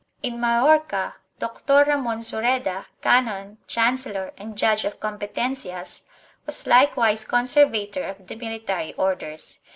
In Majorca Doctor Ramon Sureda, canon, chancellor and judge of competencias, was likewise conservator of the Mili tary Orders.